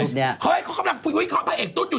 เฮ้ยเขากำลังคุยวิเคราะพระเอกตุ๊ดอยู่